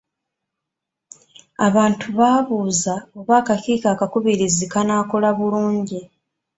Abantu baabuuza oba akakiiko akakubirizi kanaakola bulungi.